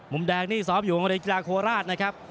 มุมแดงนี่สอบอยู่ในกีฬาโคราชนะครับ